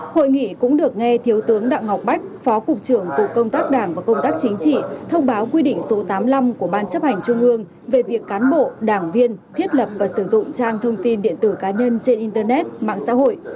hội nghị cũng được nghe thiếu tướng đặng ngọc bách phó cục trưởng cục công tác đảng và công tác chính trị thông báo quy định số tám mươi năm của ban chấp hành trung ương về việc cán bộ đảng viên thiết lập và sử dụng trang thông tin điện tử cá nhân trên internet mạng xã hội